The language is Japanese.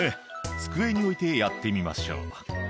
「机に置いてやってみましょう」